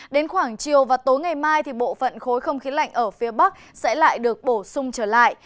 đến khoảng chiều và tối ngày mai bộ phận khối không khí lạnh ở phía bắc sẽ lại được bổ sung trở lại